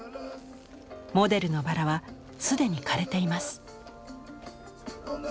モデルの薔薇はすでに枯れています。